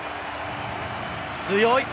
強い！